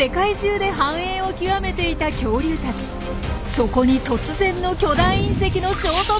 そこに突然の巨大隕石の衝突！